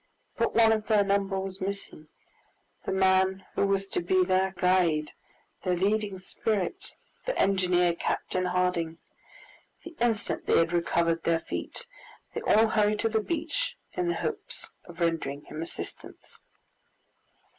But one of their number was missing, the man who was to be their guide, their leading spirit, the engineer, Captain Harding! The instant they had recovered their feet, they all hurried to the beach in the hopes of rendering him assistance.